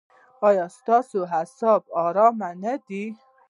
ایا ستاسو اعصاب ارام نه دي؟